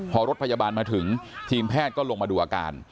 พอรถพยาบาลมาถึงทีมแพทย์ก็ลงมาดูอาการ